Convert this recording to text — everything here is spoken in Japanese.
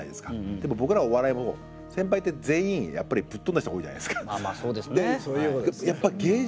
でも僕らお笑いも先輩って全員やっぱりぶっ飛んだ人が多いじゃないですか。